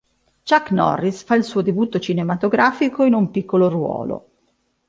Chuck Norris fa il suo debutto cinematografico in un piccolo ruolo.